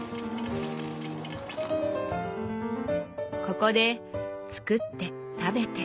ここで作って食べて。